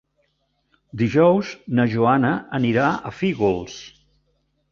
Dijous na Joana anirà a Fígols.